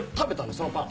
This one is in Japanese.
そのパン。